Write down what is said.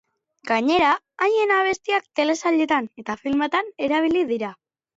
Gainera haien abestiak telesailetan eta filmetan erabili dira.